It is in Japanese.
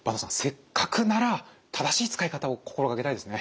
せっかくなら正しい使い方を心掛けたいですね。